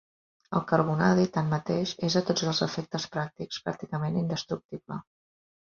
El carbonadi, tanmateix, és a tots els efectes pràctics, pràcticament indestructible.